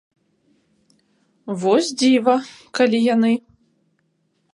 Вось дзіва, калі яны.